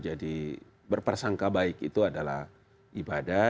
jadi berpersangka baik itu adalah ibadah